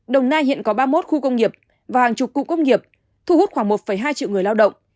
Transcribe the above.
đồng nai hiện có ba mươi một khu công nghiệp và hàng chục cụ công nghiệp thu hút khoảng một hai triệu người lao động